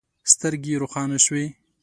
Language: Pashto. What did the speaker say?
سترګې يې روښانه شوې.